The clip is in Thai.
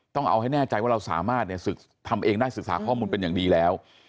ต้องเอาให้แน่ใจว่าเราสามารถทำเองได้ศึกษาข้อมูลเป็นอย่างดีแล้ว